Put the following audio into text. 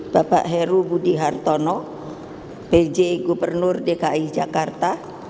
bapak heru budi hartono pj gubernur dki jakarta